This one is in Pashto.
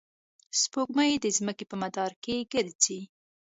سپوږمۍ د ځمکې په مدار کې ګرځي.